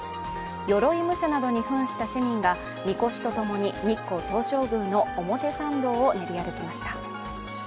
よろい武者などにふんした市民が神輿とともに日光東照宮の表参道を練り歩きました。